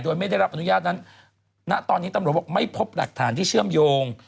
โดยไม่ได้รับอนุญาตนั้นณตอนนี้ตำรวจบอกไม่พบหลักฐานที่เชื่อมโยง